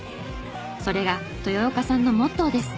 それが豊岡さんのモットーです。